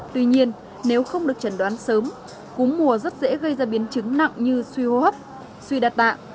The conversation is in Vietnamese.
tuy nhiên nếu không được chẩn đoán sớm cúm mùa rất dễ gây ra biến chứng nặng như suy hô hấp suy đa tạ